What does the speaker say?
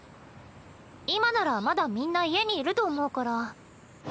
今ならまだみんな家にいると思うから。